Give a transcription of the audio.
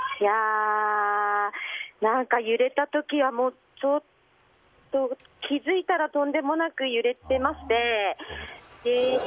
何か、揺れた時はちょっと気づいたらとんでもなく揺れてまして。